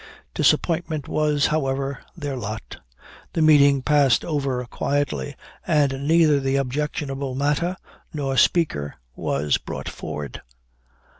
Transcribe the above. Disappointment was, however, their lot. The meeting passed over quietly, and neither the objectionable matter nor speaker was brought forward.